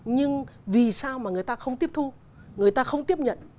nhưng vì sao mà người ta không tiếp thu người ta không tiếp nhận